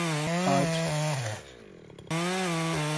آج